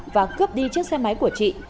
và cướp đi chiếc xe máy của chị